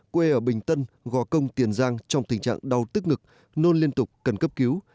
quê ở bình tân gò công tiền giang trong tình trạng đau tức ngực nôn liên tục cần cấp cứu